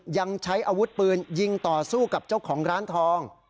ยังใช้อาวุธปืนยิงต่อสู้กับเจ้าของร้านทอง